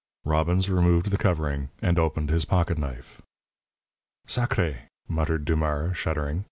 Robbins removed the covering, and opened his pocket knife. "Sacré!" muttered Dumars, shuddering.